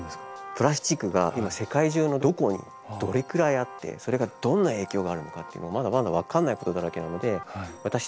プラスチックが今世界中のどこにどれくらいあってそれがどんな影響があるのかってまだまだ分からないことだらけなので私たち